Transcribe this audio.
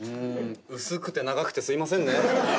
薄くて長くてすいませんね。